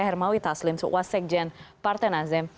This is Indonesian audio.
hermawi taslim sukwasekjen parten azem